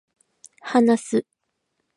話す、